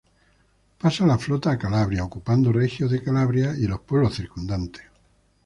Pasa la flota a Calabria, ocupando Regio de Calabria y los pueblos circundantes.